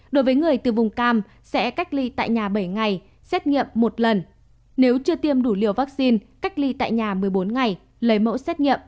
đối với người từ vùng cam sẽ cách ly tại nhà bảy ngày xét nghiệm một lần nếu chưa tiêm đủ liều vaccine cách ly tại nhà một mươi bốn ngày lấy mẫu xét nghiệm